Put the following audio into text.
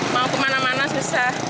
mau kemana mana susah